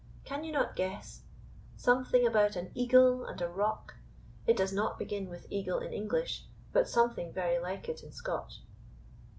Can you not guess? Something about an eagle and a rock it does not begin with eagle in English, but something very like it in Scotch."